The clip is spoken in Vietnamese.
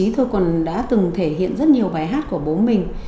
tôi còn đã từng thể hiện rất nhiều bài hát của bố mình